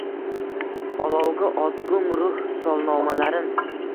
olovga otgum ruh solnomalarin.